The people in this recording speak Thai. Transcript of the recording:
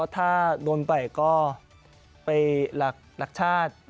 ถ้าโดนไปก็ไปหลักชาติ